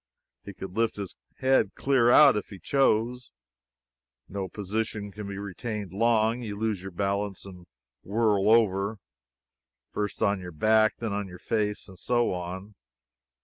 He could lift his head clear out, if he chose. No position can be retained long; you lose your balance and whirl over, first on your back and then on your face, and so on.